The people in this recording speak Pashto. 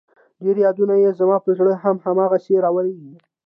ډېر يادونه يې زما په زړه هم هغسې راوريږي